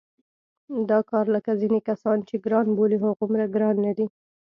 دا کار لکه ځینې کسان چې ګران بولي هغومره ګران نه دی.